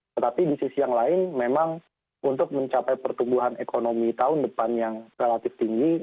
tetapi di sisi yang lain memang untuk mencapai pertumbuhan ekonomi tahun depan yang relatif tinggi